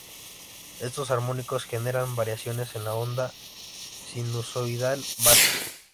Estos armónicos generan variaciones en la onda sinusoidal base.